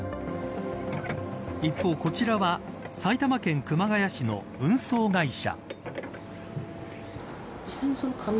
一方、こちらは埼玉県熊谷市の運送会社。